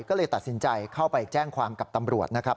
ก็เลยตัดสินใจเข้าไปแจ้งความกับตำรวจนะครับ